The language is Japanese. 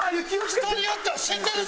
人によっては死んでるぞ！